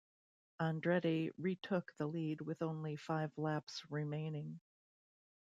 Andretti re-took the lead with only five laps remaining.